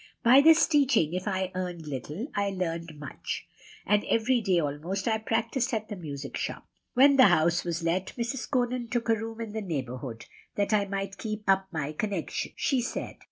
By this teaching, if I earned little, I learned much; and every day almost I practised at the music shop. "When the house was let, Mrs. Conan took a room in the neighborhood, that I might keep up my connection, she said.